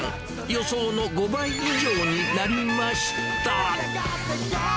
予想の５倍以上になりました。